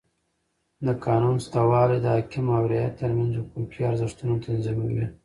د قانون سته والى د حاکم او رعیت ترمنځ حقوقي ارزښتونه تنظیموي.